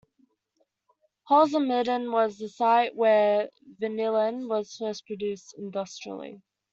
Holzminden was the site where vanillin was first produced industrially.